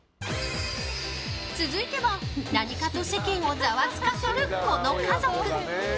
続いては、何かと世間をざわつかせるこの家族。